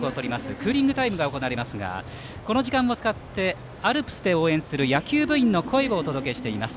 クーリングタイムが行われていますがこの時間を使ってアルプスで応援する野球部員の声をお届けしています。